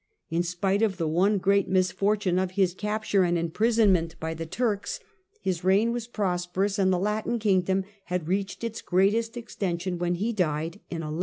In 1118 1131 spite of the one great misfortune of his capture and imprisonment by the Turks, his reign was prosperous, and the Latin kingdom had reached its greatest extension when he died in 1131.